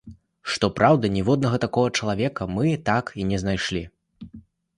Што праўда, ніводнага такога чалавека, мы так і не знайшлі.